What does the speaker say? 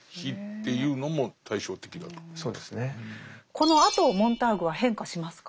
このあとモンターグは変化しますか？